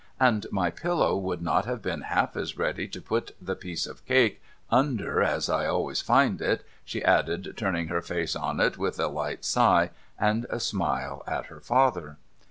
And my l)illow would not have been half as ready to put the piece of cake under, as I always find it,' she added, turning her face on it with a light sigh, and a smile at her father.